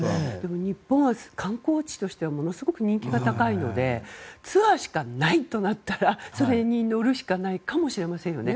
日本は観光地として人気があるのでツアーしかないとなったらそれに乗るしかないかもしれませんね。